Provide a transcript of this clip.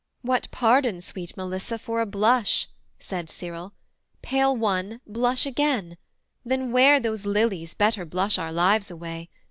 'What pardon, sweet Melissa, for a blush?' Said Cyril: 'Pale one, blush again: than wear Those lilies, better blush our lives away.